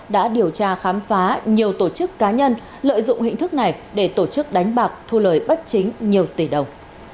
đã điều tra khám phá nhiều tổ chức cá nhân lợi dụng hình thức này để tổ chức đánh bạc thu lời bất chính nhiều tỷ đồng